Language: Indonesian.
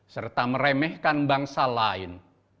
serta meremehkan bangsa lain